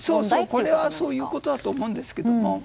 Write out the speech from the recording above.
これはそういうことだと思うんですけど。